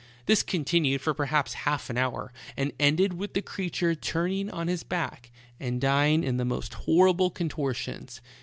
This continued for perhaps half an hour, and ended with the creature turning on his back and dying in the most horrible contortions.